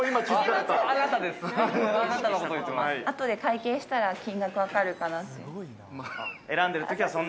あとで会計したら金額わかるかなっていう。